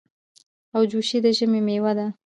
اوجوشي د ژمي مېوه ده.